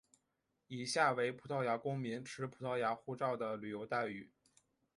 以下为葡萄牙公民持葡萄牙护照的旅游待遇。